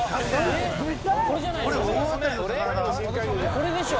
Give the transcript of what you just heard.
これでしょ。